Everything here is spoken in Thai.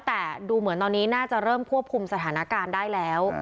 แต่ดูเหมือนตอนนี้น่าจะเริ่มควบคุมสถานการณ์ได้แล้ว